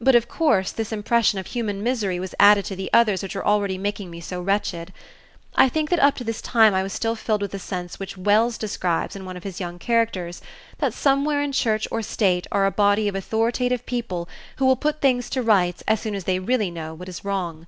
But of course this impression of human misery was added to the others which were already making me so wretched. I think that up to this time I was still filled with the sense which Wells describes in one of his young characters, that somewhere in Church or State are a body of authoritative people who will put things to rights as soon as they really know what is wrong.